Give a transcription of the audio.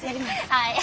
はい。